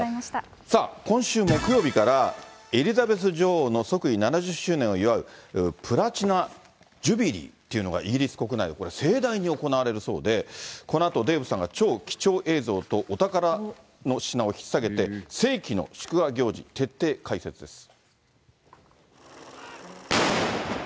さあ、今週木曜日からエリザベス女王の即位７０周年を祝うプラチナジュビリーっていうのが、イギリス国内でこれ、盛大に行われるそうで、このあとデーブさんが超貴重映像とお宝の品をひっ提げて、世紀の祝賀行事、徹底解説です。